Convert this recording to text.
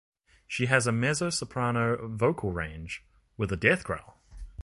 She has a mezzo-soprano vocal range, with a death growl.